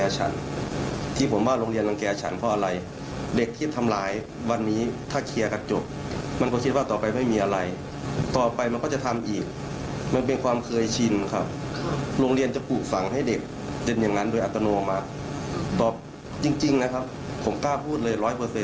จริงนะครับผมกล้าพูดเลย๑๐๐